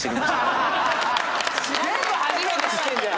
全部初めて知ったじゃん！